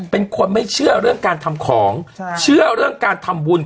เป็นคนไม่เชื่อเรื่องการทำของเชื่อเรื่องการทำบุญ